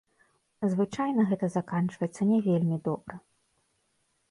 Звычайна гэта заканчваецца не вельмі добра.